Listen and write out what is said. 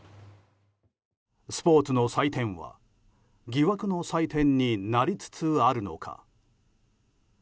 スポーツの祭典は疑惑の祭典になりつつあるのか。